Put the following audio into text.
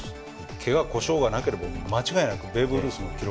怪我故障がなければ間違いなくベーブ・ルースの記録